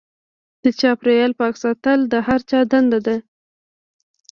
د چاپیریال پاک ساتل د هر چا دنده ده.